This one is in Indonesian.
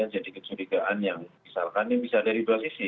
jadi kecurigaan yang misalkan ini bisa dari dua sisi